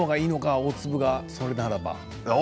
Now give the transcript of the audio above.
大粒が、それならば。